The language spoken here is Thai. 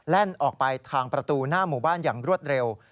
ออกไปทางประตูหน้าหมู่บ้านอย่างรวดเร็ว